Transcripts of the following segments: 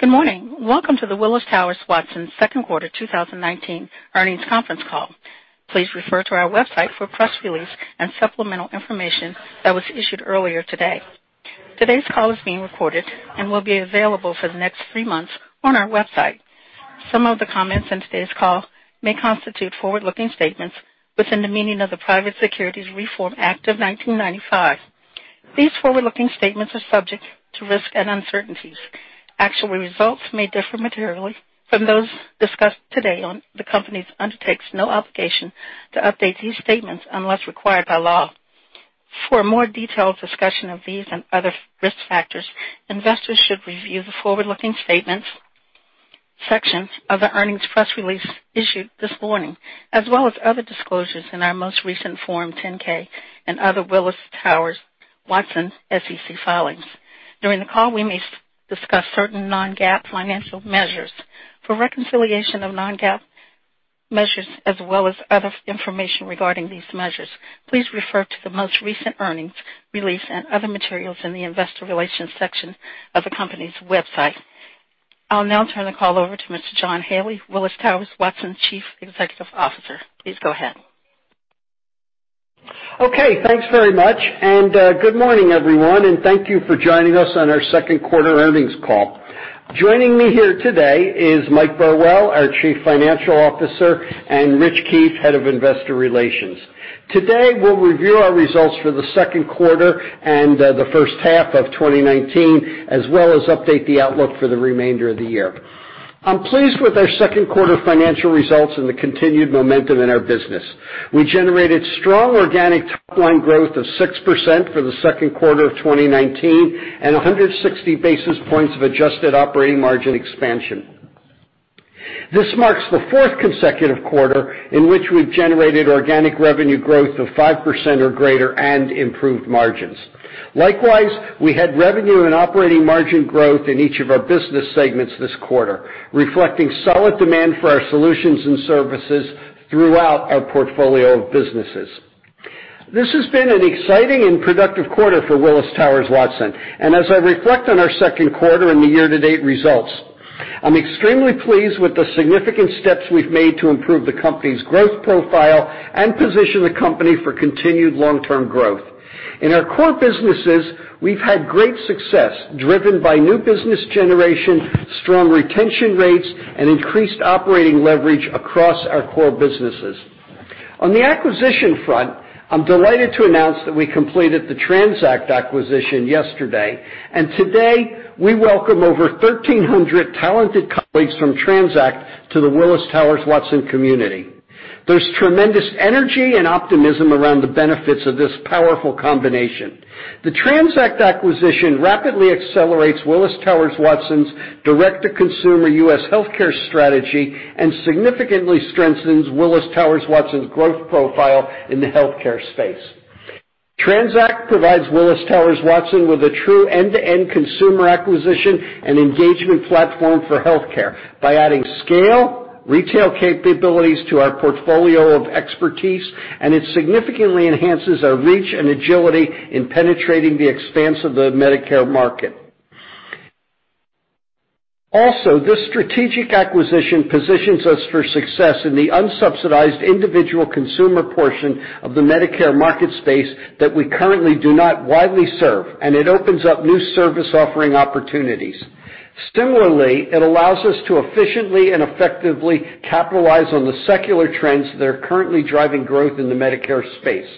Good morning. Welcome to the Willis Towers Watson second quarter 2019 earnings conference call. Please refer to our website for a press release and supplemental information that was issued earlier today. Today's call is being recorded and will be available for the next three months on our website. Some of the comments on today's call may constitute forward-looking statements within the meaning of the Private Securities Litigation Reform Act of 1995. These forward-looking statements are subject to risks and uncertainties. Actual results may differ materially from those discussed today, the company undertakes no obligation to update these statements unless required by law. For a more detailed discussion of these and other risk factors, investors should review the forward-looking statements section of the earnings press release issued this morning, as well as other disclosures in our most recent Form 10-K and other Willis Towers Watson SEC filings. During the call, we may discuss certain non-GAAP financial measures. For reconciliation of non-GAAP measures as well as other information regarding these measures, please refer to the most recent earnings release and other materials in the investor relations section of the company's website. I'll now turn the call over to Mr. John Haley, Willis Towers Watson Chief Executive Officer. Please go ahead. Okay. Thanks very much. Good morning, everyone, and thank you for joining us on our second quarter earnings call. Joining me here today is Mike Burwell, our Chief Financial Officer, and Rich Keefe, Head of Investor Relations. Today, we'll review our results for the second quarter and the first half of 2019, as well as update the outlook for the remainder of the year. I'm pleased with our second quarter financial results and the continued momentum in our business. We generated strong organic topline growth of 6% for the second quarter of 2019 and 160 basis points of adjusted operating margin expansion. This marks the fourth consecutive quarter in which we've generated organic revenue growth of 5% or greater and improved margins. Likewise, we had revenue and operating margin growth in each of our business segments this quarter, reflecting solid demand for our solutions and services throughout our portfolio of businesses. This has been an exciting and productive quarter for Willis Towers Watson. As I reflect on our second quarter and the year-to-date results, I'm extremely pleased with the significant steps we've made to improve the company's growth profile and position the company for continued long-term growth. In our core businesses, we've had great success driven by new business generation, strong retention rates, and increased operating leverage across our core businesses. On the acquisition front, I'm delighted to announce that we completed the TRANZACT acquisition yesterday, and today, we welcome over 1,300 talented colleagues from TRANZACT to the Willis Towers Watson community. There's tremendous energy and optimism around the benefits of this powerful combination. The TRANZACT acquisition rapidly accelerates Willis Towers Watson's direct-to-consumer U.S. healthcare strategy and significantly strengthens Willis Towers Watson's growth profile in the healthcare space. TRANZACT provides Willis Towers Watson with a true end-to-end consumer acquisition and engagement platform for healthcare by adding scale, retail capabilities to our portfolio of expertise, and it significantly enhances our reach and agility in penetrating the expanse of the Medicare market. This strategic acquisition positions us for success in the unsubsidized individual consumer portion of the Medicare market space that we currently do not widely serve, and it opens up new service offering opportunities. Similarly, it allows us to efficiently and effectively capitalize on the secular trends that are currently driving growth in the Medicare space.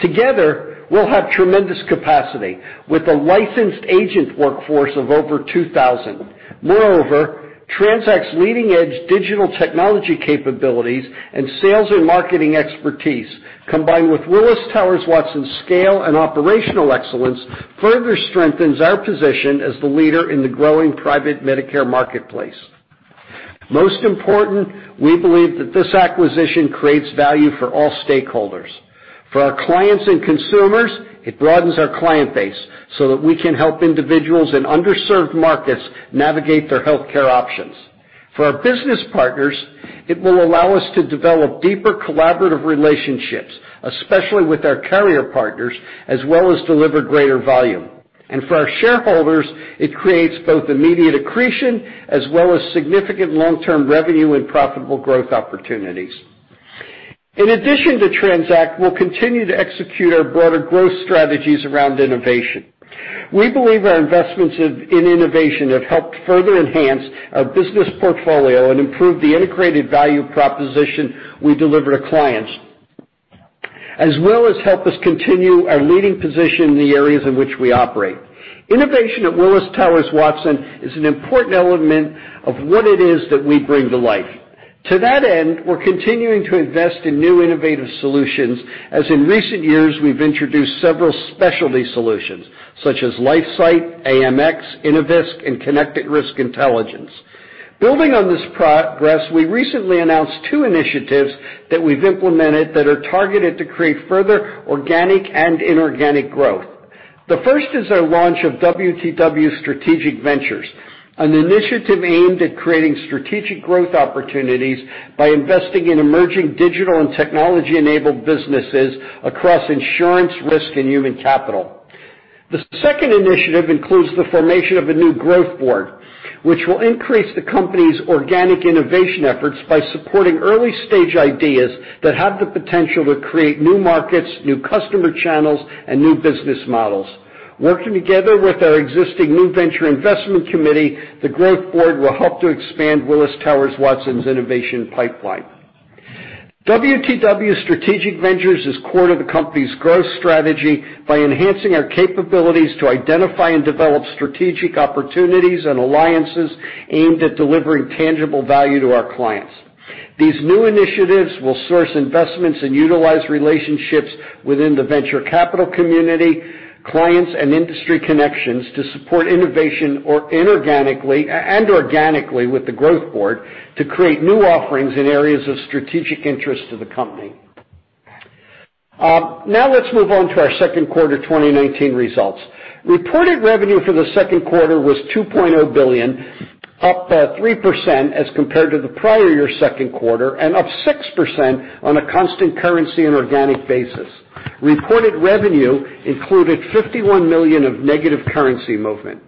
Together, we'll have tremendous capacity with a licensed agent workforce of over 2,000. Moreover, TRANZACT's leading-edge digital technology capabilities and sales and marketing expertise, combined with Willis Towers Watson's scale and operational excellence, further strengthens our position as the leader in the growing private Medicare marketplace. Most important, we believe that this acquisition creates value for all stakeholders. For our clients and consumers, it broadens our client base so that we can help individuals in underserved markets navigate their healthcare options. For our business partners, it will allow us to develop deeper collaborative relationships, especially with our carrier partners, as well as deliver greater volume. For our shareholders, it creates both immediate accretion as well as significant long-term revenue and profitable growth opportunities. In addition to TRANZACT, we'll continue to execute our broader growth strategies around innovation. We believe our investments in innovation have helped further enhance our business portfolio and improve the integrated value proposition we deliver to clients, as well as help us continue our leading position in the areas in which we operate. Innovation at Willis Towers Watson is an important element of what it is that we bring to life. To that end, we're continuing to invest in new innovative solutions as in recent years, we've introduced several specialty solutions such as LifeSight, AMX, Innovisk, and Connected Risk Intelligence. Building on this progress, we recently announced two initiatives that we've implemented that are targeted to create further organic and inorganic growth. The first is our launch of WTW Strategic Ventures, an initiative aimed at creating strategic growth opportunities by investing in emerging digital and technology-enabled businesses across insurance, risk, and human capital. The second initiative includes the formation of a new growth board, which will increase the company's organic innovation efforts by supporting early-stage ideas that have the potential to create new markets, new customer channels, and new business models. Working together with our existing new venture investment committee, the growth board will help to expand Willis Towers Watson's innovation pipeline. WTW Strategic Ventures is core to the company's growth strategy by enhancing our capabilities to identify and develop strategic opportunities and alliances aimed at delivering tangible value to our clients. These new initiatives will source investments and utilize relationships within the venture capital community, clients, and industry connections to support innovation inorganically and organically with the growth board to create new offerings in areas of strategic interest to the company. Let's move on to our second quarter 2019 results. Reported revenue for the second quarter was $2.0 billion, up 3% as compared to the prior year second quarter, and up 6% on a constant currency and organic basis. Reported revenue included $51 million of negative currency movement.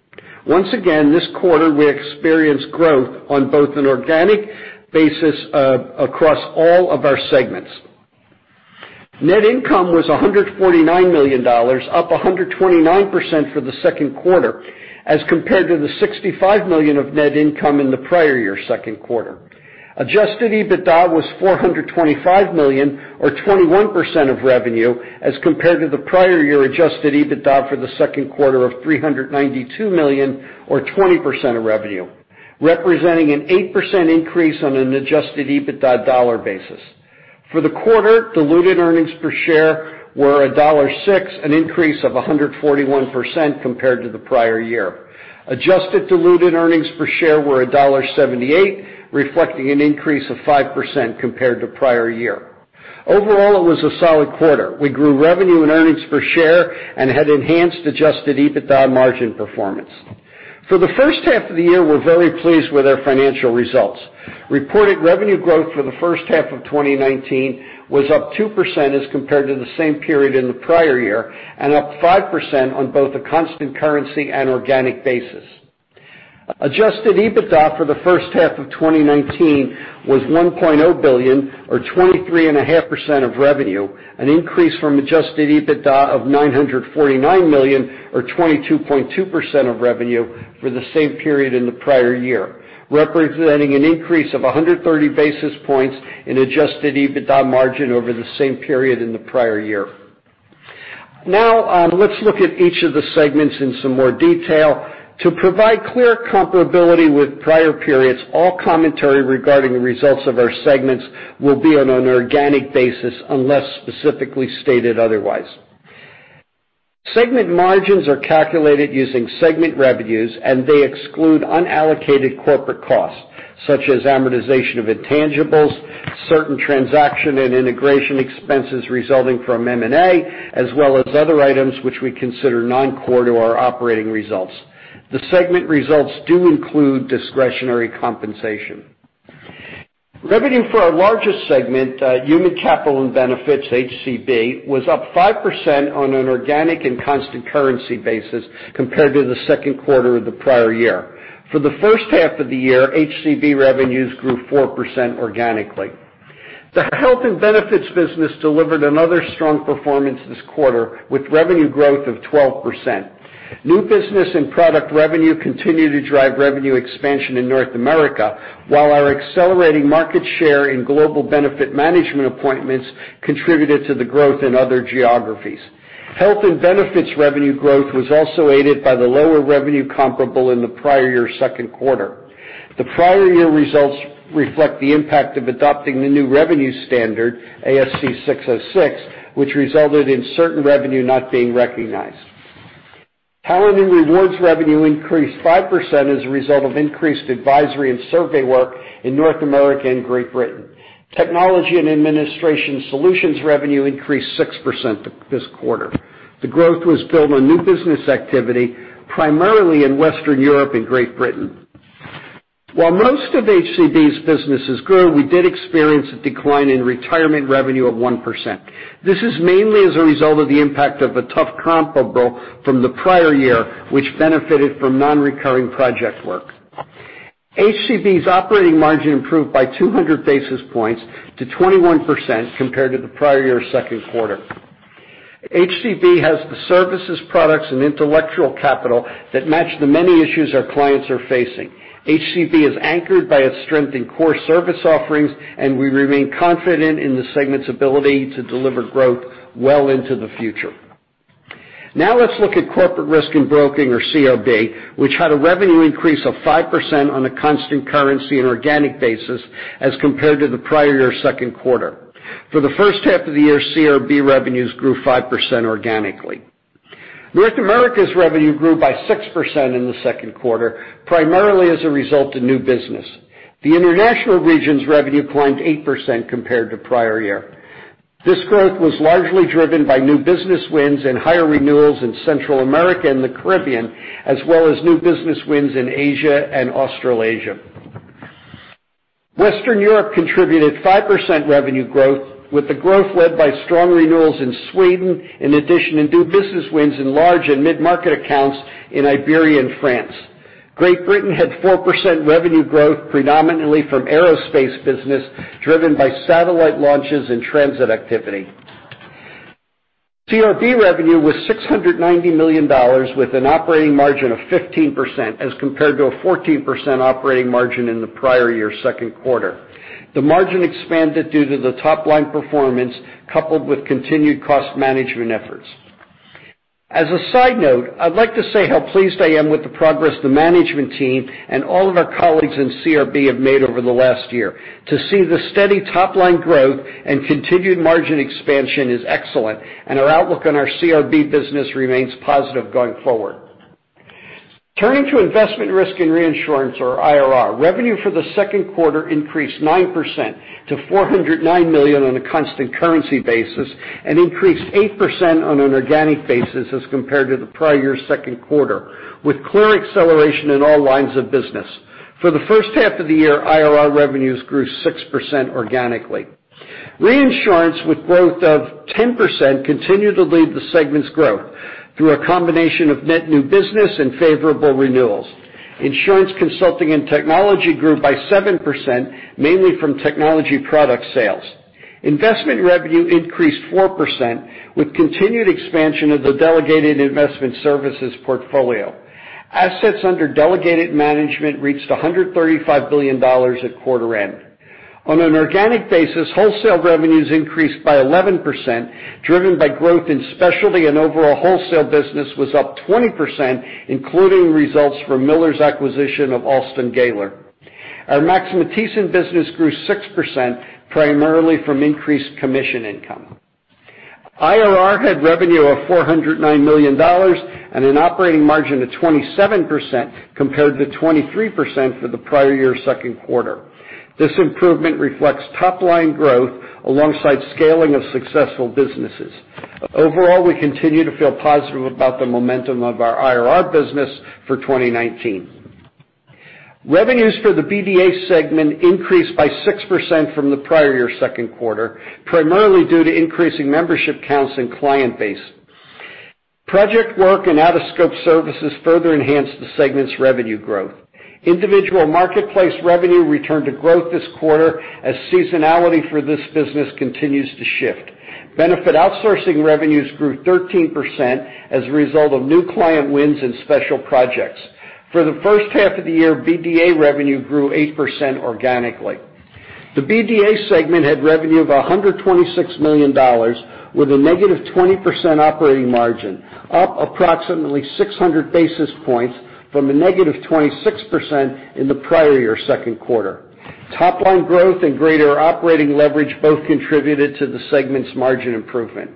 Once again, this quarter, we experienced growth on both an organic basis across all of our segments. Net income was $149 million, up 129% for the second quarter as compared to the $65 million of net income in the prior year second quarter. Adjusted EBITDA was $425 million, or 21% of revenue, as compared to the prior year adjusted EBITDA for the second quarter of $392 million, or 20% of revenue, representing an 8% increase on an adjusted EBITDA dollar basis. For the quarter, diluted earnings per share were $1.06, an increase of 141% compared to the prior year. Adjusted diluted earnings per share were $1.78, reflecting an increase of 5% compared to prior year. Overall, it was a solid quarter. We grew revenue and earnings per share and had enhanced adjusted EBITDA margin performance. For the first half of the year, we're very pleased with our financial results. Reported revenue growth for the first half of 2019 was up 2% as compared to the same period in the prior year and up 5% on both a constant currency and organic basis. Adjusted EBITDA for the first half of 2019 was $1.0 billion, or 23.5% of revenue, an increase from adjusted EBITDA of $949 million or 22.2% of revenue for the same period in the prior year, representing an increase of 130 basis points in adjusted EBITDA margin over the same period in the prior year. Let's look at each of the segments in some more detail. To provide clear comparability with prior periods, all commentary regarding the results of our segments will be on an organic basis unless specifically stated otherwise. Segment margins are calculated using segment revenues, and they exclude unallocated corporate costs such as amortization of intangibles, certain transaction and integration expenses resulting from M&A, as well as other items which we consider non-core to our operating results. The segment results do include discretionary compensation. Revenue for our largest segment, Human Capital & Benefits, HCB, was up 5% on an organic and constant currency basis compared to the second quarter of the prior year. For the first half of the year, HCB revenues grew 4% organically. The health and benefits business delivered another strong performance this quarter with revenue growth of 12%. New business and product revenue continued to drive revenue expansion in North America, while our accelerating market share in global benefit management appointments contributed to the growth in other geographies. Health and benefits revenue growth was also aided by the lower revenue comparable in the prior year second quarter. The prior year results reflect the impact of adopting the new revenue standard, ASC 606, which resulted in certain revenue not being recognized. Talent and rewards revenue increased 5% as a result of increased advisory and survey work in North America and Great Britain. Technology and administration solutions revenue increased 6% this quarter. The growth was built on new business activity, primarily in Western Europe and Great Britain. While most of HCB's businesses grew, we did experience a decline in retirement revenue of 1%. This is mainly as a result of the impact of a tough comparable from the prior year, which benefited from non-recurring project work. HCB's operating margin improved by 200 basis points to 21% compared to the prior year second quarter. HCB has the services, products, and intellectual capital that match the many issues our clients are facing. HCB is anchored by its strength in core service offerings, and we remain confident in the segment's ability to deliver growth well into the future. Now let's look at Corporate Risk and Broking, or CRB, which had a revenue increase of 5% on a constant currency and organic basis as compared to the prior year second quarter. For the first half of the year, CRB revenues grew 5% organically. North America's revenue grew by 6% in the second quarter, primarily as a result of new business. The international region's revenue climbed 8% compared to prior year. This growth was largely driven by new business wins and higher renewals in Central America and the Caribbean, as well as new business wins in Asia and Australasia. Western Europe contributed 5% revenue growth with the growth led by strong renewals in Sweden, in addition to new business wins in large and mid-market accounts in Iberia and France. Great Britain had 4% revenue growth predominantly from aerospace business, driven by satellite launches and transit activity. CRB revenue was $690 million with an operating margin of 15%, as compared to a 14% operating margin in the prior year second quarter. The margin expanded due to the top-line performance coupled with continued cost management efforts. As a side note, I'd like to say how pleased I am with the progress the management team and all of our colleagues in CRB have made over the last year. To see the steady top-line growth and continued margin expansion is excellent. Our outlook on our CRB business remains positive going forward. Turning to Investment Risk and Reinsurance, or IRR, revenue for the second quarter increased 9% to $409 million on a constant currency basis and increased 8% on an organic basis as compared to the prior year second quarter, with clear acceleration in all lines of business. For the first half of the year, IRR revenues grew 6% organically. Reinsurance with growth of 10% continued to lead the segment's growth through a combination of net new business and favorable renewals. Insurance consulting and technology grew by 7%, mainly from technology product sales. Investment revenue increased 4%, with continued expansion of the delegated investment services portfolio. Assets under delegated management reached $135 billion at quarter end. On an organic basis, wholesale revenues increased by 11%, driven by growth in specialty and overall wholesale business was up 20%, including results from Miller's acquisition of Alston Gayler. Our Max Matthiessen business grew 6%, primarily from increased commission income. IRR had revenue of $409 million and an operating margin of 27%, compared to 23% for the prior year second quarter. This improvement reflects top-line growth alongside scaling of successful businesses. Overall, we continue to feel positive about the momentum of our IRR business for 2019. Revenues for the BDA segment increased by 6% from the prior year second quarter, primarily due to increasing membership counts and client base. Project work and out-of-scope services further enhanced the segment's revenue growth. Individual marketplace revenue returned to growth this quarter as seasonality for this business continues to shift. Benefit outsourcing revenues grew 13% as a result of new client wins and special projects. For the first half of the year, BDA revenue grew 8% organically. The BDA segment had revenue of $126 million with a negative 20% operating margin, up approximately 600 basis points from a negative 26% in the prior year second quarter. Top-line growth and greater operating leverage both contributed to the segment's margin improvement.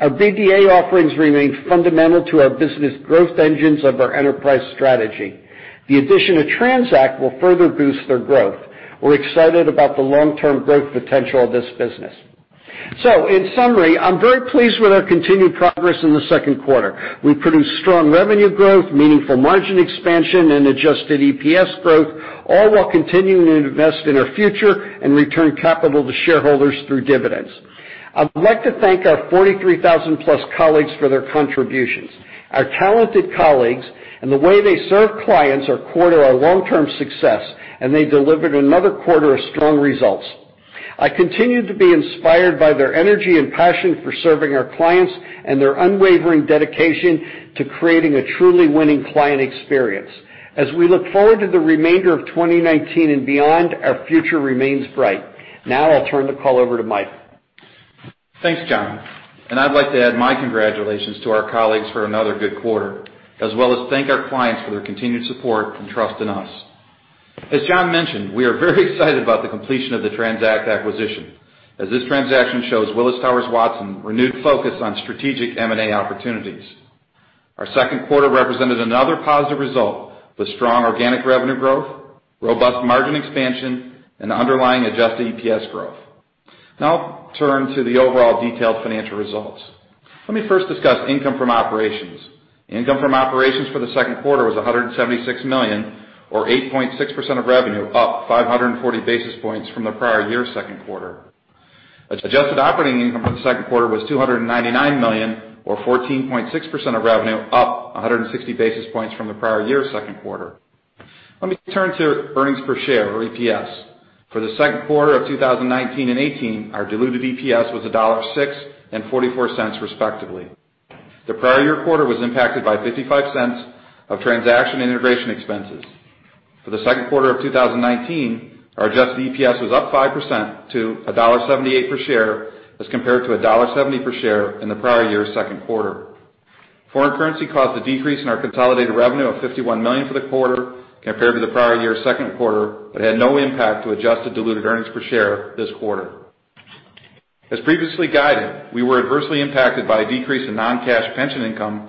Our BDA offerings remain fundamental to our business growth engines of our enterprise strategy. The addition of TRANZACT will further boost their growth. We're excited about the long-term growth potential of this business. In summary, I'm very pleased with our continued progress in the second quarter. We produced strong revenue growth, meaningful margin expansion and adjusted EPS growth, all while continuing to invest in our future and return capital to shareholders through dividends. I would like to thank our 43,000-plus colleagues for their contributions. Our talented colleagues and the way they serve clients are core to our long-term success, and they delivered another quarter of strong results. I continue to be inspired by their energy and passion for serving our clients and their unwavering dedication to creating a truly winning client experience. As we look forward to the remainder of 2019 and beyond, our future remains bright. I'll turn the call over to Mike. Thanks, John. I'd like to add my congratulations to our colleagues for another good quarter, as well as thank our clients for their continued support and trust in us. As John mentioned, we are very excited about the completion of the TRANZACT acquisition, as this transaction shows Willis Towers Watson renewed focus on strategic M&A opportunities. Our second quarter represented another positive result with strong organic revenue growth, robust margin expansion, and underlying adjusted EPS growth. I'll turn to the overall detailed financial results. Let me first discuss income from operations. Income from operations for the second quarter was $176 million, or 8.6% of revenue, up 540 basis points from the prior year's second quarter. Adjusted operating income for the second quarter was $299 million or 14.6% of revenue, up 160 basis points from the prior year second quarter. Let me turn to earnings per share or EPS. For the second quarter of 2019 and 2018, our diluted EPS was $1.06 and $0.44, respectively. The prior year quarter was impacted by $0.55 of transaction integration expenses. For the second quarter of 2019, our adjusted EPS was up 5% to $1.78 per share as compared to $1.70 per share in the prior year second quarter. Foreign currency caused a decrease in our consolidated revenue of $51 million for the quarter compared to the prior year second quarter, but had no impact to adjusted diluted earnings per share this quarter. As previously guided, we were adversely impacted by a decrease in non-cash pension income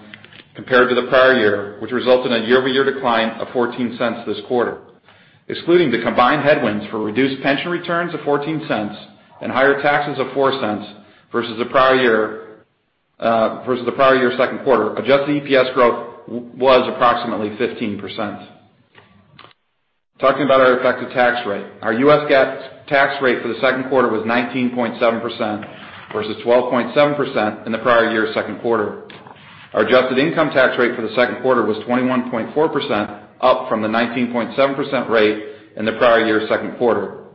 compared to the prior year, which resulted in a year-over-year decline of $0.14 this quarter. Excluding the combined headwinds for reduced pension returns of $0.14 and higher taxes of $0.04 versus the prior year second quarter, adjusted EPS growth was approximately 15%. Talking about our effective tax rate. Our U.S. GAAP tax rate for the second quarter was 19.7%, versus 12.7% in the prior year second quarter. Our adjusted income tax rate for the second quarter was 21.4%, up from the 19.7% rate in the prior year second quarter.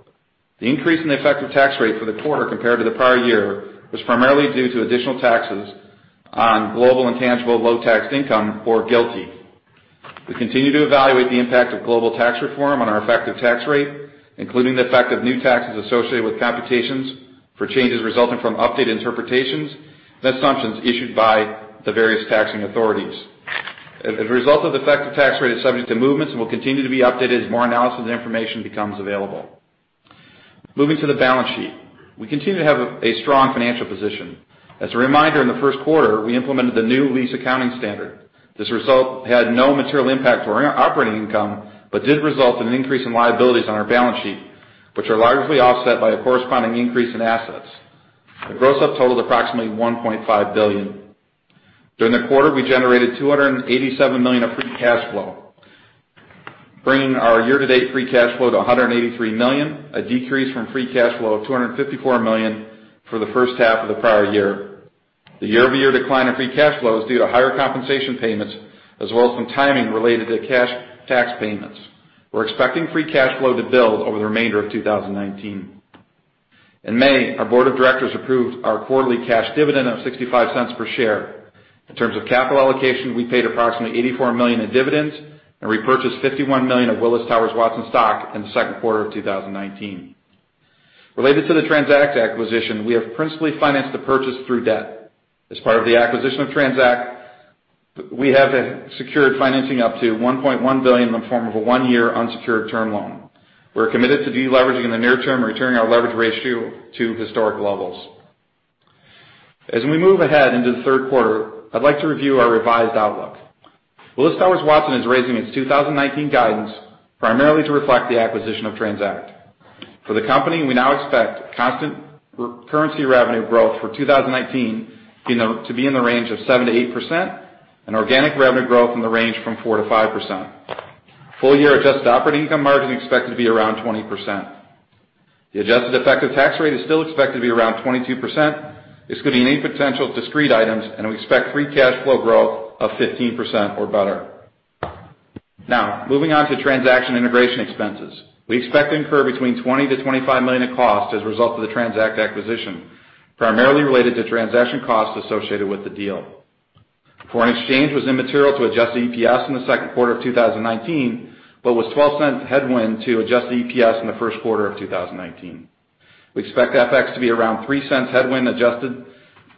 The increase in the effective tax rate for the quarter compared to the prior year was primarily due to additional taxes on global intangible low tax income, or GILTI. We continue to evaluate the impact of global tax reform on our effective tax rate, including the effect of new taxes associated with computations for changes resulting from updated interpretations and assumptions issued by the various taxing authorities. As a result, the effective tax rate is subject to movements and will continue to be updated as more analysis information becomes available. Moving to the balance sheet. We continue to have a strong financial position. As a reminder, in the first quarter, we implemented the new lease accounting standard. This result had no material impact to our operating income but did result in an increase in liabilities on our balance sheet, which are largely offset by a corresponding increase in assets. The gross up totaled approximately $1.5 billion. During the quarter, we generated $287 million of free cash flow, bringing our year-to-date free cash flow to $183 million, a decrease from free cash flow of $254 million for the first half of the prior year. The year-over-year decline in free cash flow is due to higher compensation payments as well as some timing related to cash tax payments. We're expecting free cash flow to build over the remainder of 2019. In May, our board of directors approved our quarterly cash dividend of $0.65 per share. In terms of capital allocation, we paid approximately $84 million in dividends and repurchased $51 million of Willis Towers Watson stock in the second quarter of 2019. Related to the TRANZACT acquisition, we have principally financed the purchase through debt. As part of the acquisition of TRANZACT, we have secured financing up to $1.1 billion in the form of a one-year unsecured term loan. We're committed to de-leveraging in the near term and returning our leverage ratio to historic levels. As we move ahead into the third quarter, I'd like to review our revised outlook. Willis Towers Watson is raising its 2019 guidance primarily to reflect the acquisition of TRANZACT. For the company, we now expect constant currency revenue growth for 2019 to be in the range of 7%-8% and organic revenue growth in the range from 4%-5%. Full year adjusted operating income margin expected to be around 20%. The adjusted effective tax rate is still expected to be around 22%, excluding any potential discrete items, and we expect free cash flow growth of 15% or better. Now, moving on to transaction integration expenses. We expect to incur between $20 million-$25 million in cost as a result of the TRANZACT acquisition, primarily related to transaction costs associated with the deal. Foreign exchange was immaterial to adjusted EPS in the second quarter of 2019, but was $0.12 headwind to adjusted EPS in the first quarter of 2019. We expect FX to be around $0.03 headwind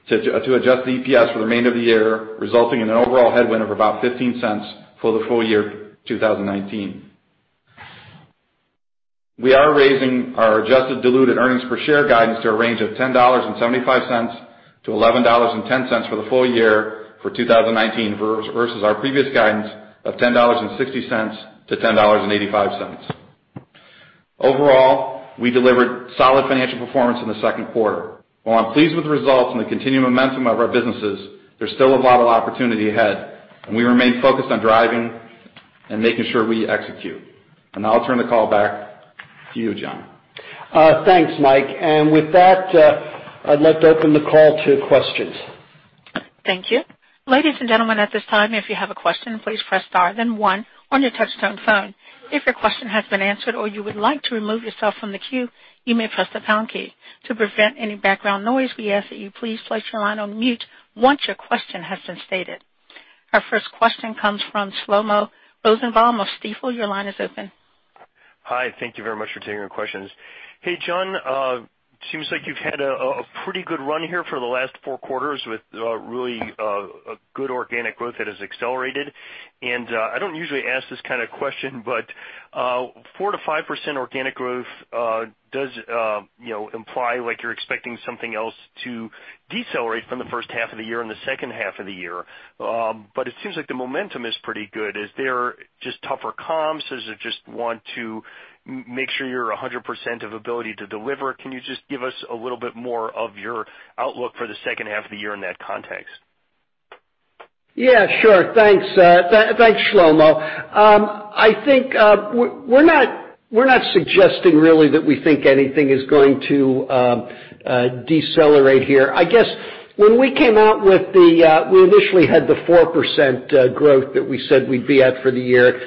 to adjusted EPS for the remainder of the year, resulting in an overall headwind of about $0.15 for the full year 2019. We are raising our adjusted diluted earnings per share guidance to a range of $10.75-$11.10 for the full year 2019 versus our previous guidance of $10.60-$10.85. Overall, we delivered solid financial performance in the second quarter. While I'm pleased with the results and the continued momentum of our businesses, there's still a lot of opportunity ahead, and we remain focused on driving and making sure we execute. Now I'll turn the call back to you, John. Thanks, Mike. With that, I'd like to open the call to questions. Thank you. Ladies and gentlemen, at this time, if you have a question, please press star then one on your touchtone phone. If your question has been answered or you would like to remove yourself from the queue, you may press the pound key. To prevent any background noise, we ask that you please place your line on mute once your question has been stated. Our first question comes from Shlomo Rosenbaum of Stifel. Your line is open. Hi. Thank you very much for taking our questions. Hey, John, seems like you've had a pretty good run here for the last four quarters with really good organic growth that has accelerated. I don't usually ask this kind of question, but 4%-5% organic growth does imply like you're expecting something else to decelerate from the first half of the year and the second half of the year. It seems like the momentum is pretty good. Is there just tougher comps? Is it just want to make sure you're 100% of ability to deliver? Can you just give us a little bit more of your outlook for the second half of the year in that context? Yeah, sure. Thanks. Thanks, Shlomo. I think we're not suggesting really that we think anything is going to decelerate here. I guess when we came out with the We initially had the 4% growth that we said we'd be at for the year.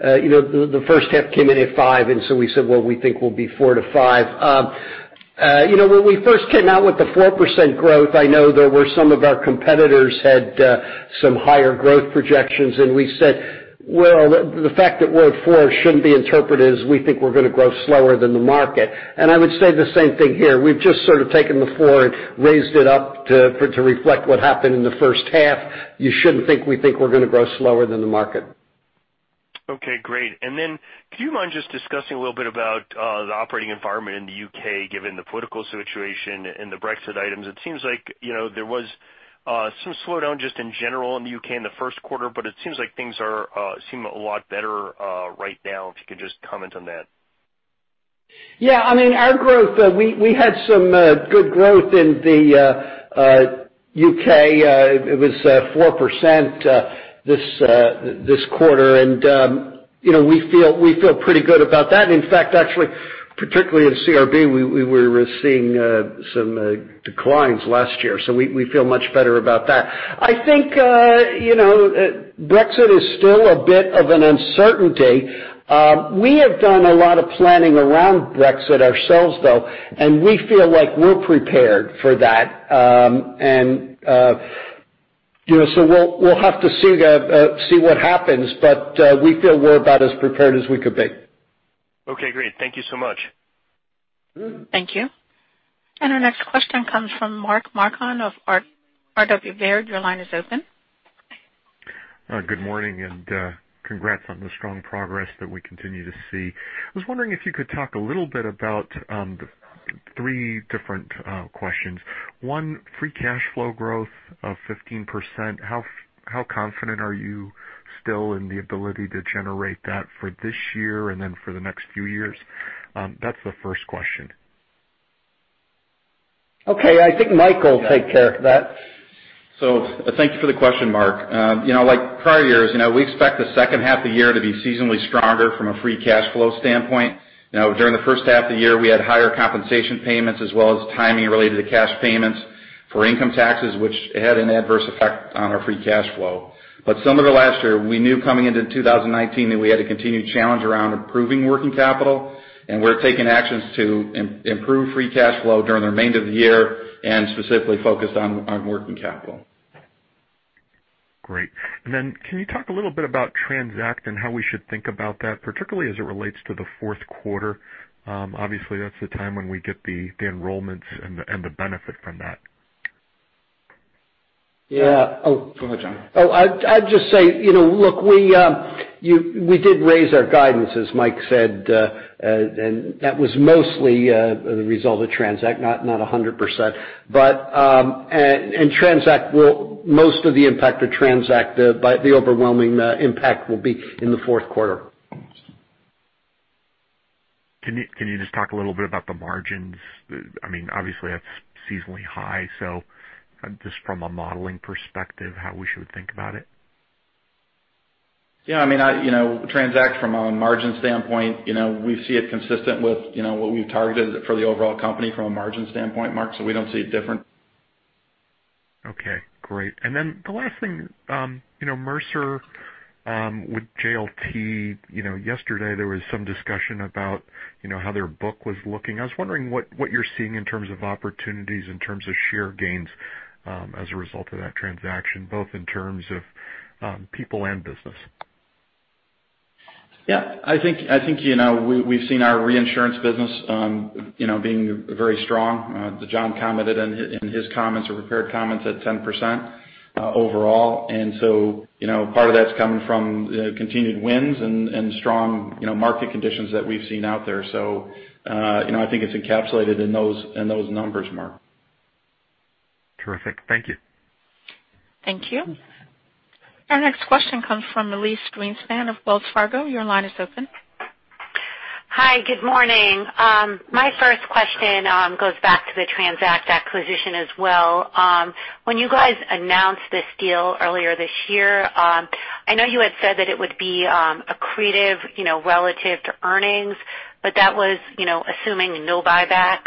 The first half came in at 5, we said, well, we think we'll be 4-5. When we first came out with the 4% growth, I know there were some of our competitors had some higher growth projections, we said, "Well, the fact that we're at 4 shouldn't be interpreted as we think we're going to grow slower than the market." I would say the same thing here. We've just sort of taken the 4 and raised it up to reflect what happened in the first half. You shouldn't think we think we're going to grow slower than the market. Okay, great. Could you mind just discussing a little bit about the operating environment in the U.K., given the political situation and the Brexit items? It seems like there was some slowdown just in general in the U.K. in the first quarter, it seems like things seem a lot better right now, if you could just comment on that. Yeah, our growth, we had some good growth in the U.K. It was 4% this quarter, we feel pretty good about that. In fact, actually, particularly in CRB, we were seeing some declines last year, we feel much better about that. I think Brexit is still a bit of an uncertainty. We have done a lot of planning around Brexit ourselves, though, we feel like we're prepared for that. We'll have to see what happens, we feel we're about as prepared as we could be. Okay, great. Thank you so much. Thank you. Our next question comes from Mark Marcon of R.W. Baird. Your line is open. Good morning, and congrats on the strong progress that we continue to see. I was wondering if you could talk a little bit about three different questions. One, free cash flow growth of 15%. How confident are you still in the ability to generate that for this year and then for the next few years? That's the first question. Okay. I think Mike will take care of that. So, thank you for the question, Mark. Like prior years, we expect the second half of the year to be seasonally stronger from a free cash flow standpoint. During the first half of the year, we had higher compensation payments as well as timing related to cash payments for income taxes, which had an adverse effect on our free cash flow. Similar to last year, we knew coming into 2019 that we had a continued challenge around improving working capital, and we're taking actions to improve free cash flow during the remainder of the year and specifically focused on working capital. Can you talk a little bit about TRANZACT and how we should think about that, particularly as it relates to the fourth quarter? Obviously, that's the time when we get the enrollments and the benefit from that. Yeah. Go ahead, John. I'd just say, look, we did raise our guidance, as Mike said, that was mostly the result of TRANZACT, not 100%. Most of the impact of TRANZACT, the overwhelming impact will be in the fourth quarter. Can you just talk a little bit about the margins? Obviously, that's seasonally high, just from a modeling perspective, how we should think about it. Yeah, TRANZACT from a margin standpoint, we see it consistent with what we've targeted for the overall company from a margin standpoint, Mark, so we don't see it different. Okay, great. The last thing, Marsh with JLT, yesterday there was some discussion about how their book was looking. I was wondering what you're seeing in terms of opportunities, in terms of share gains as a result of that transaction, both in terms of people and business. Yeah, I think we've seen our reinsurance business being very strong. John commented in his comments or prepared comments at 10% overall. Part of that's coming from continued wins and strong market conditions that we've seen out there. I think it's encapsulated in those numbers, Mark. Terrific. Thank you. Thank you. Our next question comes from Elyse Greenspan of Wells Fargo. Your line is open. Hi, good morning. My first question goes back to the TRANZACT acquisition as well. When you guys announced this deal earlier this year, I know you had said that it would be accretive relative to earnings, but that was assuming no buyback.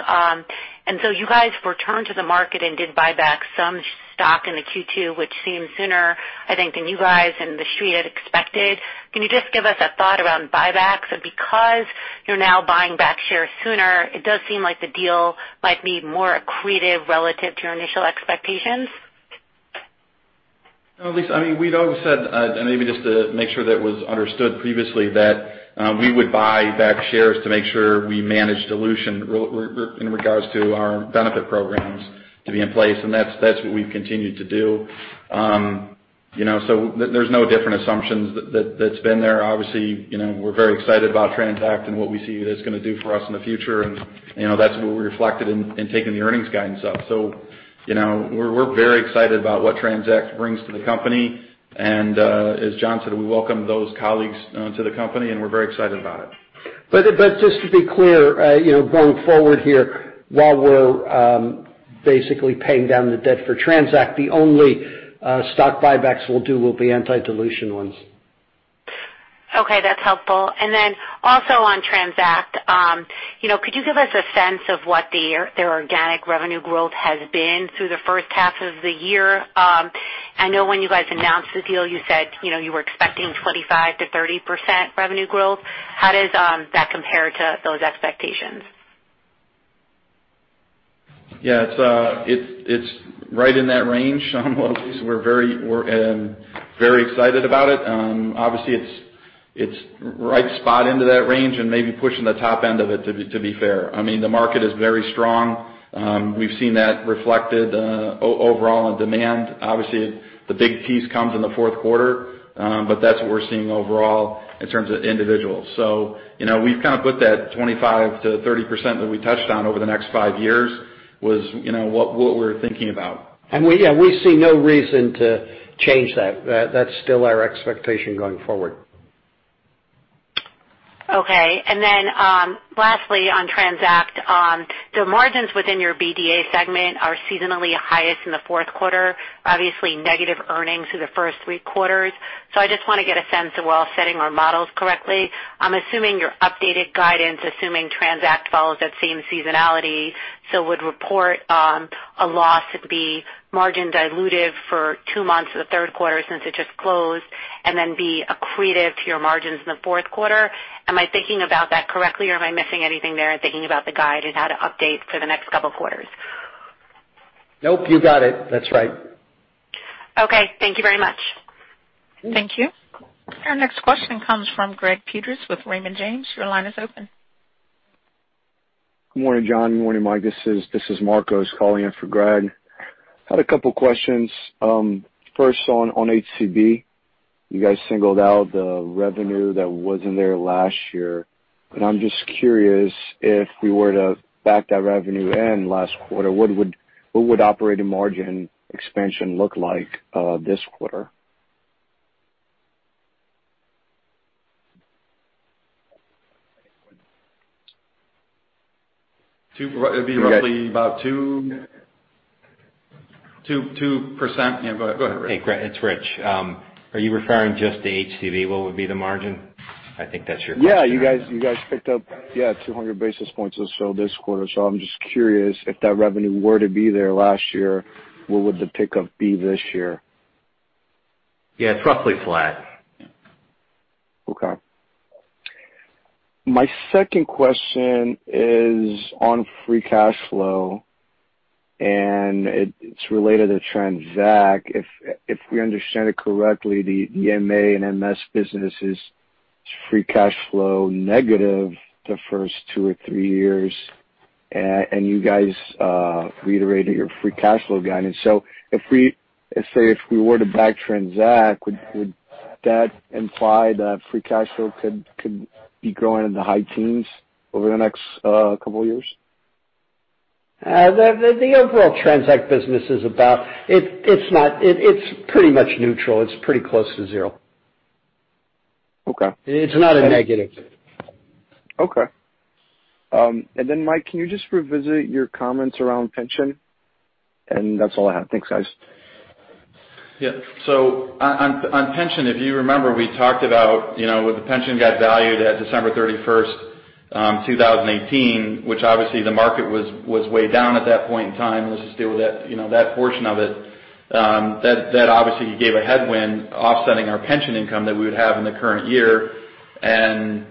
So you guys returned to the market and did buy back some stock into Q2, which seemed sooner, I think, than you guys and the street had expected. Can you just give us a thought around buybacks? Because you're now buying back shares sooner, it does seem like the deal might be more accretive relative to your initial expectations. No, Elyse, we'd always said, and maybe just to make sure that it was understood previously, that we would buy back shares to make sure we manage dilution in regards to our benefit programs to be in place, and that's what we've continued to do. There's no different assumptions that's been there. Obviously, we're very excited about TRANZACT and what we see that's going to do for us in the future, and that's what we reflected in taking the earnings guidance up. We're very excited about what TRANZACT brings to the company. As John said, we welcome those colleagues to the company, and we're very excited about it. Just to be clear, going forward here, while we're basically paying down the debt for TRANZACT, the only stock buybacks we'll do will be anti-dilution ones. Okay, that's helpful. Also on TRANZACT, could you give us a sense of what their organic revenue growth has been through the first half of the year? I know when you guys announced the deal, you said you were expecting 25%-30% revenue growth. How does that compare to those expectations? Yeah, it's right in that range, Elyse. We're very excited about it. Obviously, it's right spot into that range and maybe pushing the top end of it, to be fair. The market is very strong. We've seen that reflected overall in demand. Obviously, the big piece comes in the fourth quarter, but that's what we're seeing overall in terms of individuals. We've kind of put that 25%-30% that we touched on over the next 5 years was what we're thinking about. We see no reason to change that. That's still our expectation going forward. Okay. Lastly, on TRANZACT, the margins within your BDA segment are seasonally highest in the fourth quarter, obviously negative earnings through the first 3 quarters. I just want to get a sense of, we're offsetting our models correctly. I'm assuming your updated guidance, assuming TRANZACT follows that same seasonality, so would report a loss that'd be margin dilutive for 2 months of the third quarter since it just closed, and then be accretive to your margins in the fourth quarter. Am I thinking about that correctly, or am I missing anything there in thinking about the guide and how to update for the next couple of quarters? Nope, you got it. That's right. Okay. Thank you very much. Thank you. Our next question comes from Greg Peters with Raymond James. Your line is open. Good morning, John. Good morning, Mike. This is Marcos calling in for Greg. Had a couple questions. First on HCB. You guys singled out the revenue that wasn't there last year, I'm just curious if we were to back that revenue in last quarter, what would operating margin expansion look like this quarter? It'd be roughly about 2%. Yeah, go ahead, Rich. Hey, Greg, it's Rich. Are you referring just to HCB? What would be the margin? I think that's your question. Yeah. You guys picked up 200 basis points or so this quarter. I'm just curious if that revenue were to be there last year, what would the pickup be this year? Yeah, it's roughly flat. My second question is on free cash flow, and it's related to TRANZACT. If we understand it correctly, the MA and MS business is free cash flow negative the first two or three years, and you guys reiterated your free cash flow guidance. Say, if we were to back TRANZACT, would that imply that free cash flow could be growing in the high teens over the next couple of years? The overall TRANZACT business, it's pretty much neutral. It's pretty close to zero. Okay. It's not a negative. Okay. Mike, can you just revisit your comments around pension? That's all I have. Thanks, guys. On pension, if you remember, we talked about what the pension got valued at December 31st, 2018, which obviously the market was way down at that point in time. Let's just deal with that portion of it. That obviously gave a headwind offsetting our pension income that we would have in the current year, and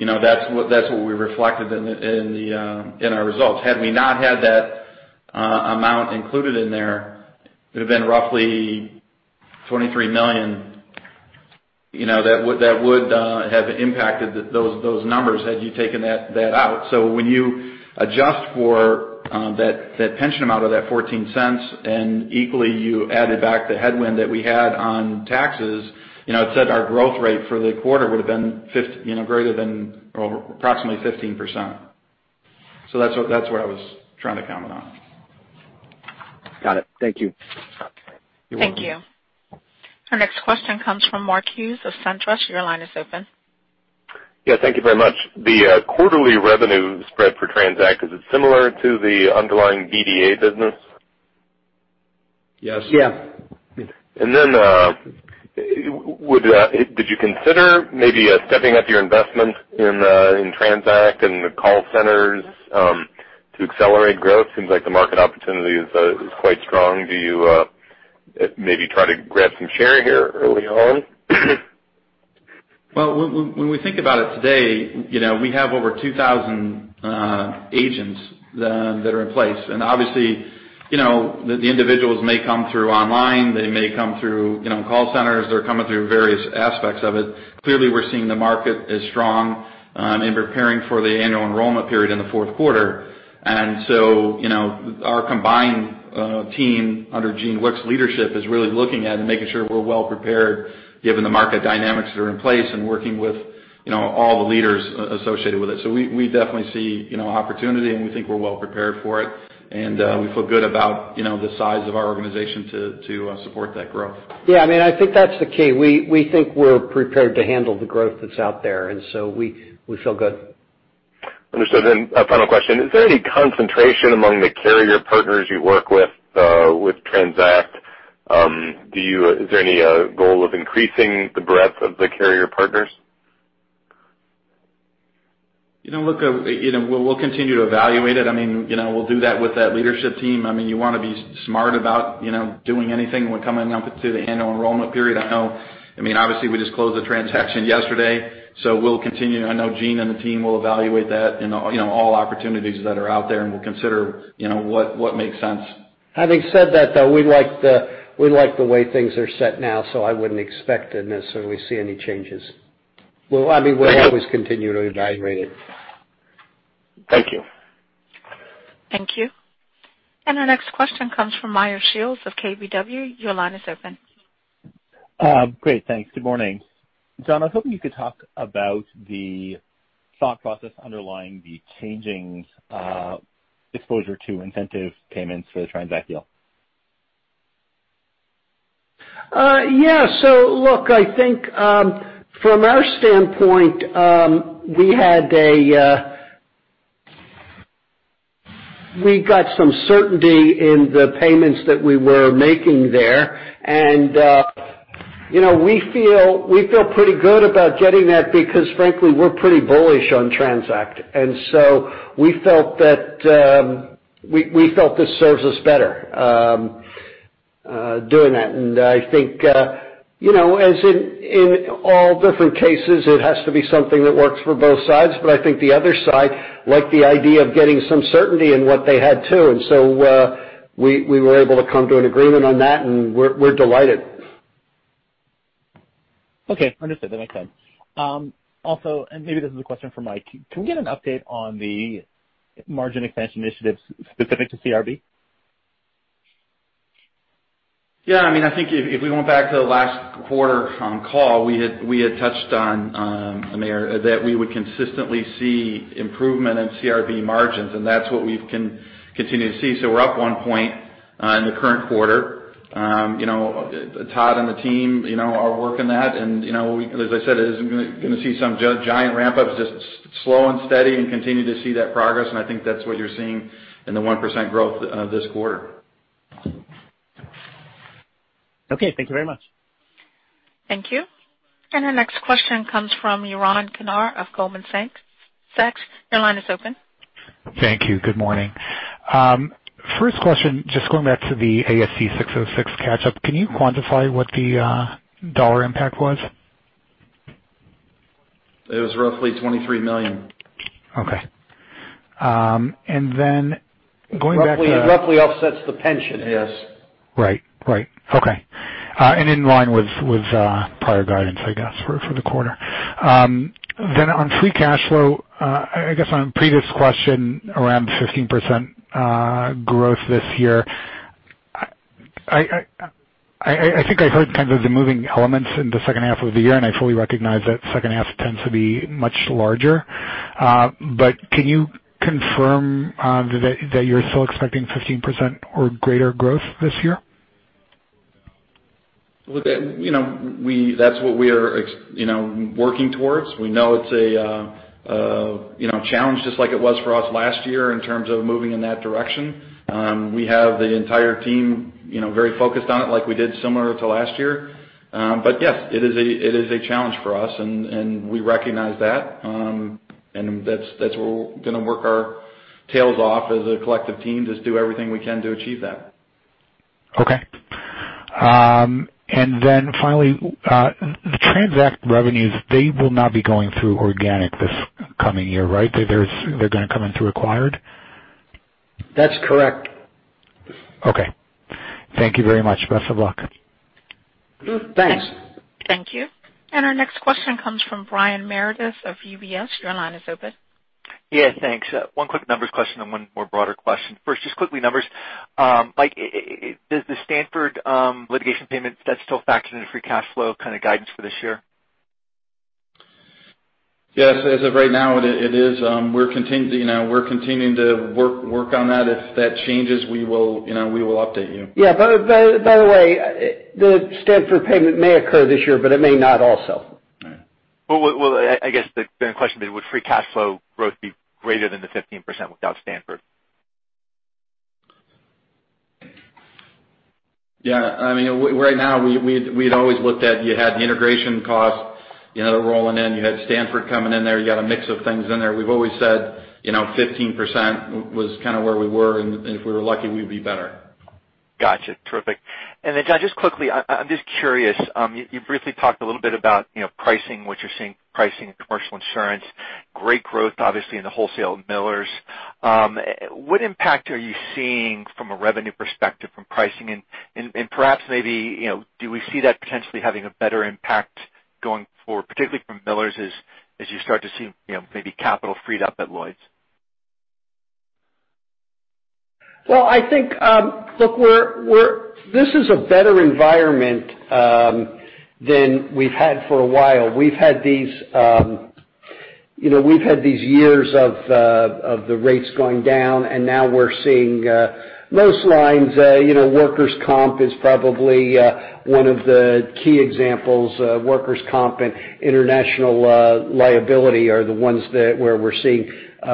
that's what we reflected in our results. Had we not had that amount included in there, it would've been roughly $23 million. That would have impacted those numbers had you taken that out. When you adjust for that pension amount of that $0.14, and equally you added back the headwind that we had on taxes, instead our growth rate for the quarter would've been approximately 15%. That's what I was trying to comment on. Got it. Thank you. You're welcome. Thank you. Our next question comes from Mark Hughes of SunTrust. Your line is open. Yeah, thank you very much. The quarterly revenue spread for TRANZACT, is it similar to the underlying BDA business? Yes. Yeah. Did you consider maybe stepping up your investments in TRANZACT and the call centers to accelerate growth? Seems like the market opportunity is quite strong. Do you maybe try to grab some share here early on? Well, when we think about it today, we have over 2,000 agents that are in place. Obviously, the individuals may come through online, they may come through call centers. They're coming through various aspects of it. Clearly, we're seeing the market as strong in preparing for the annual enrollment period in the fourth quarter. Our combined team under Gene Wickes' leadership is really looking at and making sure we're well-prepared given the market dynamics that are in place and working with all the leaders associated with it. We definitely see opportunity, and we think we're well prepared for it. We feel good about the size of our organization to support that growth. Yeah, I think that's the key. We think we're prepared to handle the growth that's out there, we feel good. Understood. A final question. Is there any concentration among the carrier partners you work with TRANZACT? Is there any goal of increasing the breadth of the carrier partners? Look, we'll continue to evaluate it. We'll do that with that leadership team. You want to be smart about doing anything. We're coming up to the annual enrollment period. Obviously, we just closed the transaction yesterday, we'll continue. I know Gene and the team will evaluate that, and all opportunities that are out there, and we'll consider what makes sense. Having said that, though, we like the way things are set now, so I wouldn't expect to necessarily see any changes. We'll always continue to evaluate it. Thank you. Thank you. Our next question comes from Meyer Shields of KBW. Your line is open. Great, thanks. Good morning. John, I was hoping you could talk about the thought process underlying the changing exposure to incentive payments for the TRANZACT deal. Yeah. Look, I think from our standpoint, we got some certainty in the payments that we were making there. We feel pretty good about getting that because frankly, we're pretty bullish on TRANZACT. We felt this serves us better doing that. I think, as in all different cases, it has to be something that works for both sides. I think the other side liked the idea of getting some certainty in what they had, too. We were able to come to an agreement on that, and we're delighted. Okay, understood. That makes sense. Also, and maybe this is a question for Mike, can we get an update on the margin expansion initiatives specific to CRB? Yeah. I think if we went back to the last quarter call, we had touched on, Meyer Shields, that we would consistently see improvement in CRB margins, that's what we've continued to see. We're up one point in the current quarter. Todd and the team are working that as I said, isn't going to see some giant ramp up. Just slow and steady and continue to see that progress. I think that's what you're seeing in the 1% growth of this quarter. Okay, thank you very much. Thank you. Our next question comes from Yaron Kinar of Goldman Sachs. Your line is open. Thank you. Good morning. First question, just going back to the ASC 606 catch-up. Can you quantify what the dollar impact was? It was roughly $23 million. Okay. Roughly offsets the pension. Yes. Right. Okay. In line with prior guidance, I guess, for the quarter. On free cash flow, I guess on a previous question, around 15% growth this year. I think I heard kind of the moving elements in the second half of the year, and I fully recognize that second half tends to be much larger. Can you confirm that you're still expecting 15% or greater growth this year? Look, that's what we are working towards. We know it's a challenge, just like it was for us last year in terms of moving in that direction. We have the entire team very focused on it like we did similar to last year. Yes, it is a challenge for us and we recognize that. That's we're going to work our tails off as a collective team, just do everything we can to achieve that. Okay. Then finally, the TRANZACT revenues, they will not be going through organic this coming year, right? They're going to come in through acquired? That's correct. Okay. Thank you very much. Best of luck. Thanks. Thank you. Our next question comes from Brian Meredith of UBS. Your line is open. Yeah, thanks. One quick numbers question and one more broader question. First, just quickly numbers. Mike, the Stanford litigation payment, that's still factored into free cash flow kind of guidance for this year? Yes, as of right now it is. We're continuing to work on that. If that changes, we will update you. Yeah. By the way, the Stanford payment may occur this year, but it may not also. Well, I guess the question would be would free cash flow growth be greater than the 15% without Stanford? Yeah. Right now we'd always looked at you had the integration cost rolling in, you had Stanford coming in there, you got a mix of things in there. We've always said 15% was kind of where we were, if we were lucky, we'd be better. Got you. Terrific. John, just quickly, I'm just curious, you've briefly talked a little bit about pricing, what you're seeing pricing in commercial insurance. Great growth obviously in the wholesale at Miller. What impact are you seeing from a revenue perspective from pricing? Perhaps maybe do we see that potentially having a better impact going forward, particularly from Miller as you start to see maybe capital freed up at Lloyd's? Well, I think this is a better environment than we've had for a while. We've had these years of the rates going down, now we're seeing most lines, workers' comp is probably one of the key examples. Workers' comp and international liability are the ones where we're seeing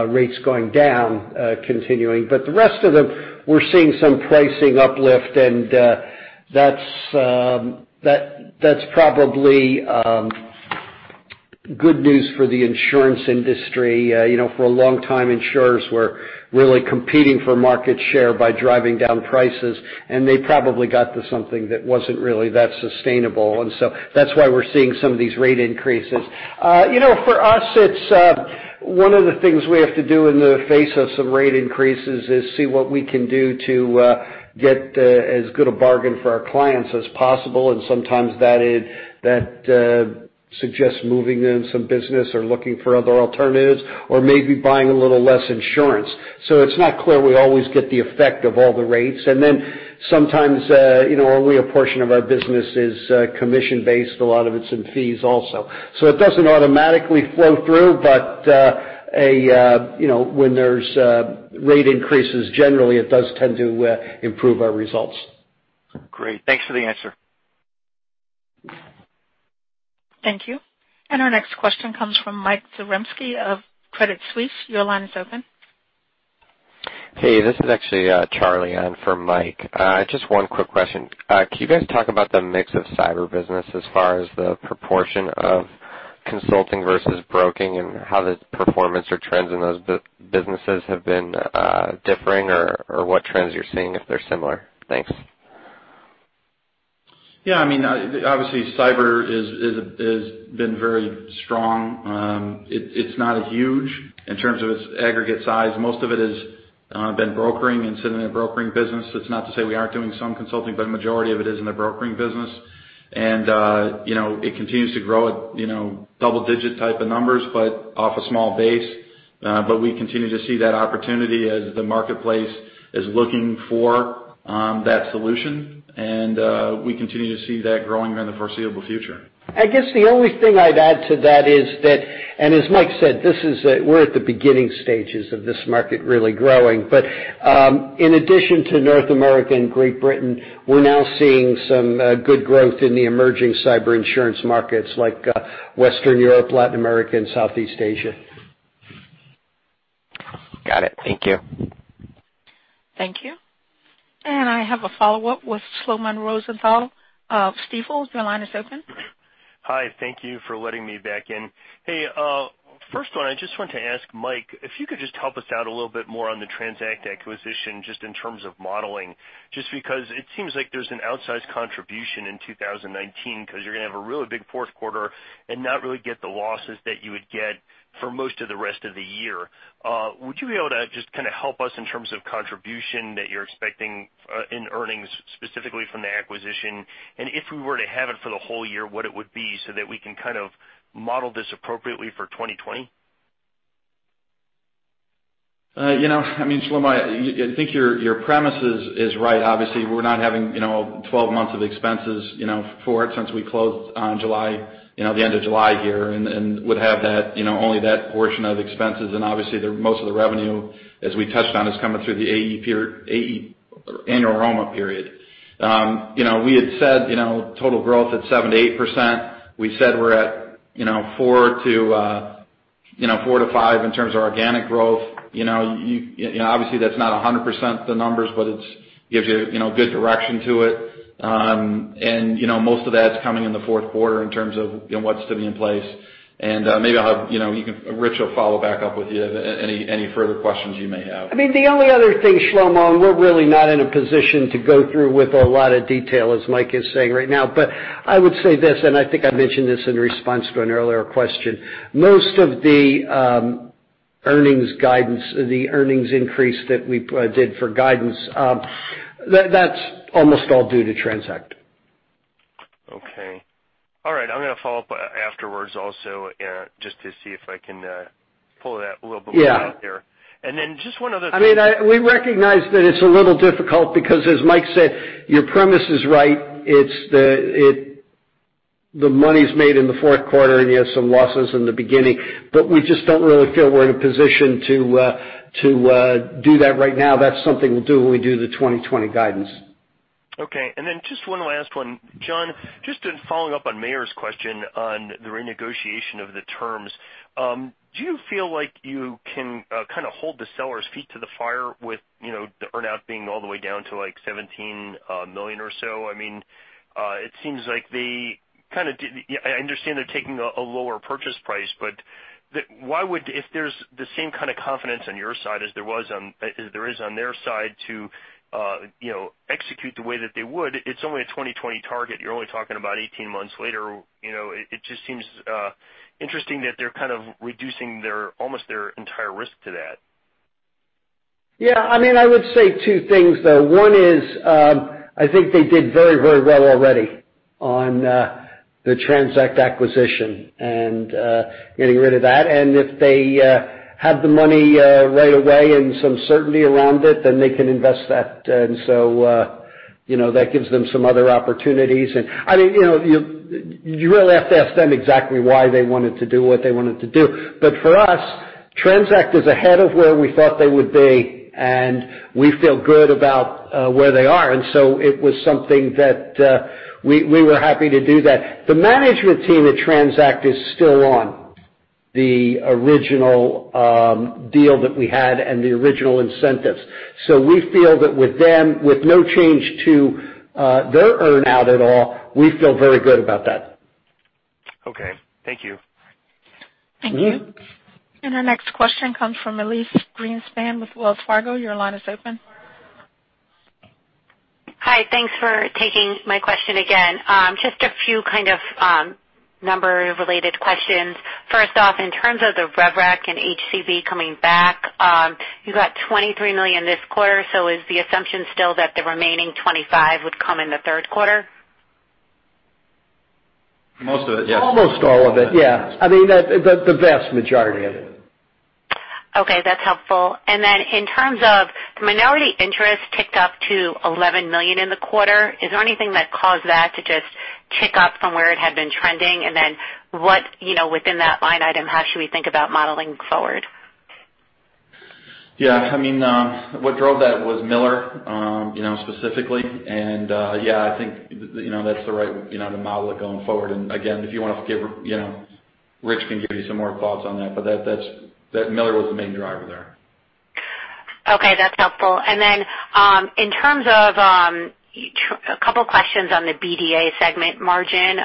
rates going down continuing. The rest of them, we're seeing some pricing uplift, that's probably good news for the insurance industry. For a long time, insurers were really competing for market share by driving down prices, they probably got to something that wasn't really that sustainable. That's why we're seeing some of these rate increases. For us, one of the things we have to do in the face of some rate increases is see what we can do to get as good a bargain for our clients as possible. Sometimes that is That suggests moving in some business or looking for other alternatives, or maybe buying a little less insurance. It's not clear we always get the effect of all the rates. Sometimes, only a portion of our business is commission-based, a lot of it's in fees also. It doesn't automatically flow through. When there's rate increases, generally it does tend to improve our results. Great. Thanks for the answer. Thank you. Our next question comes from Michael Zaremski of Credit Suisse. Your line is open. Hey, this is actually Charlie in for Mike. Just one quick question. Can you guys talk about the mix of cyber business as far as the proportion of consulting versus broking and how the performance or trends in those businesses have been differing or what trends you're seeing if they're similar? Thanks. Yeah. Obviously, cyber has been very strong. It's not as huge in terms of its aggregate size. Most of it has been brokering and sitting in a brokering business. That's not to say we aren't doing some consulting, but a majority of it is in the brokering business. It continues to grow at double-digit type of numbers, but off a small base. We continue to see that opportunity as the marketplace is looking for that solution. We continue to see that growing in the foreseeable future. I guess the only thing I'd add to that is that, as Mike said, we're at the beginning stages of this market really growing. In addition to North America and Great Britain, we're now seeing some good growth in the emerging cyber insurance markets like Western Europe, Latin America, and Southeast Asia. Got it. Thank you. Thank you. I have a follow-up with Shlomo Rosenbaum of Stifel. Your line is open. Hi. Thank you for letting me back in. Hey, first one, I just wanted to ask Mike, if you could just help us out a little bit more on the TRANZACT acquisition, just in terms of modeling, just because it seems like there's an outsized contribution in 2019 because you're going to have a really big fourth quarter and not really get the losses that you would get for most of the rest of the year. Would you be able to just kind of help us in terms of contribution that you're expecting in earnings, specifically from the acquisition? If we were to have it for the whole year, what it would be so that we can kind of model this appropriately for 2020? Shlomo, I think your premise is right. Obviously, we're not having 12 months of expenses for it since we closed on the end of July here and would have only that portion of expenses. Obviously, most of the revenue, as we touched on, is coming through the annual enrollment period. We had said total growth at 7%-8%. We said we're at 4%-5% in terms of organic growth. Obviously, that's not 100% the numbers, but it gives you good direction to it. Most of that's coming in the fourth quarter in terms of what's to be in place. Maybe Rich will follow back up with you, any further questions you may have. The only other thing, Shlomo, we're really not in a position to go through with a lot of detail as Mike is saying right now. I would say this, I think I mentioned this in response to an earlier question. Most of the earnings increase that we did for guidance, that's almost all due to TRANZACT. Okay. All right. I'm going to follow up afterwards also, just to see if I can pull that a little bit more out there. Yeah. Then just one other thing. We recognize that it's a little difficult because as Mike said, your premise is right. The money's made in the fourth quarter, and you have some losses in the beginning, but we just don't really feel we're in a position to do that right now. That's something we'll do when we do the 2020 guidance. Okay. Then just one last one. John, just in following up on Meyer's question on the renegotiation of the terms, do you feel like you can kind of hold the seller's feet to the fire with the earn-out being all the way down to like $17 million or so? I understand they're taking a lower purchase price, but if there's the same kind of confidence on your side as there is on their side to execute the way that they would, it's only a 2020 target. You're only talking about 18 months later. It just seems interesting that they're kind of reducing almost their entire risk to that. Yeah. I would say two things, though. One is, I think they did very well already on the TRANZACT acquisition and getting rid of that. If they have the money right away and some certainty around it, then they can invest that. That gives them some other opportunities. You really have to ask them exactly why they wanted to do what they wanted to do. For us, TRANZACT is ahead of where we thought they would be, and we feel good about where they are. It was something that we were happy to do that. The management team at TRANZACT is still on the original deal that we had and the original incentives. We feel that with them, with no change to their earn-out at all, we feel very good about that. Okay. Thank you. Thank you. Our next question comes from Elyse Greenspan with Wells Fargo. Your line is open. Hi. Thanks for taking my question again. Just a few kind of number-related questions. First off, in terms of the rev rec and HCB coming back, you got $23 million this quarter, is the assumption still that the remaining 25 would come in the third quarter? Most of it, yes. Almost all of it, yeah. The vast majority of it. Okay, that's helpful. Then in terms of the minority interest ticked up to $11 million in the quarter. Is there anything that caused that to just tick up from where it had been trending? Then within that line item, how should we think about modeling forward? Yeah. What drove that was Miller, specifically. Yeah, I think that's the right way to model it going forward. Again, Rich can give you some more thoughts on that, but Miller was the main driver there. Okay, that's helpful. A couple of questions on the BDA segment margin.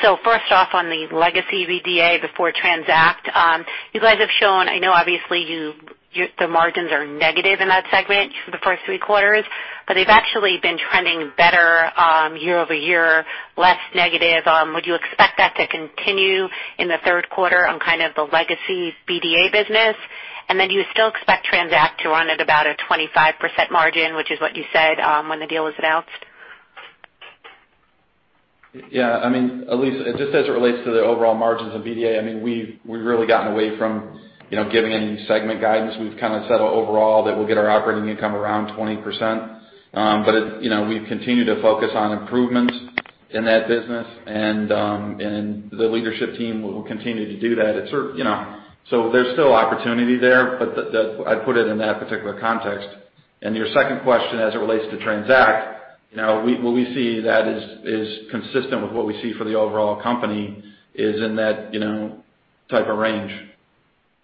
First off, on the legacy BDA before TRANZACT. You guys have shown, I know obviously the margins are negative in that segment for the first 3 quarters, but they've actually been trending better year-over-year, less negative. Would you expect that to continue in the third quarter on kind of the legacy BDA business? Do you still expect TRANZACT to run at about a 25% margin, which is what you said when the deal was announced? Yeah. Elyse, just as it relates to the overall margins in BDA, we've really gotten away from giving any segment guidance. We've kind of said overall that we'll get our operating income around 20%. We've continued to focus on improvements in that business, and the leadership team will continue to do that. There's still opportunity there, but I'd put it in that particular context. Your second question, as it relates to TRANZACT, what we see that is consistent with what we see for the overall company is in that type of range.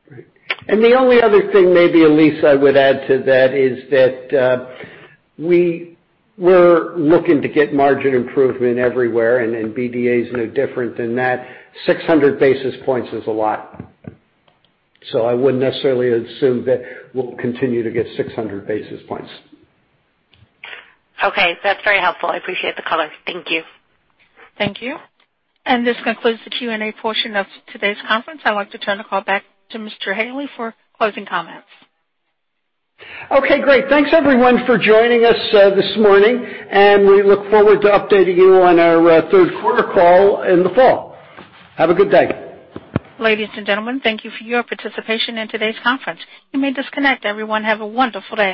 Great. The only other thing maybe, Elyse, I would add to that is that we were looking to get margin improvement everywhere, and BDA is no different than that. 600 basis points is a lot. I wouldn't necessarily assume that we'll continue to get 600 basis points. Okay, that's very helpful. I appreciate the color. Thank you. Thank you. This concludes the Q&A portion of today's conference. I'd like to turn the call back to Mr. Haley for closing comments. Okay, great. Thanks everyone for joining us this morning, and we look forward to updating you on our third quarter call in the fall. Have a good day. Ladies and gentlemen, thank you for your participation in today's conference. You may disconnect. Everyone have a wonderful day.